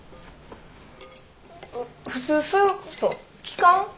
普通そういうこと聞かん？